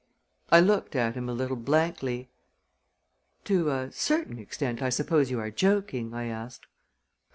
I looked at him a little blankly. "To a certain extent I suppose you are joking?" I asked.